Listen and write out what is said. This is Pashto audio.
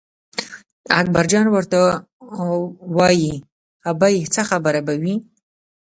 اکبرجان ورته وایي ابۍ څه خبره به وي.